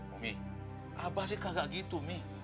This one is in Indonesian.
umi apa sih kagak gitu mi